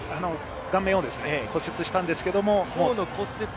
顔面を骨折したんですけれども。